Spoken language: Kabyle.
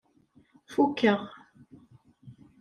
Fukkeɣ.